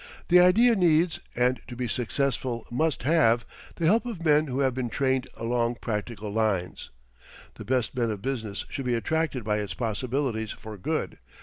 The idea needs, and to be successful must have, the help of men who have been trained along practical lines. The best men of business should be attracted by its possibilities for good.